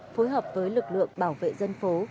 phối hợp với lực lượng bảo vệ dân phố